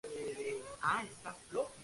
Novarum, aut Rariorum Plantarum Horti Reg.